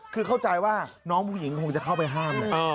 คือเข้าใจว่าน้องผู้หญิงคงจะเข้าไปห้าม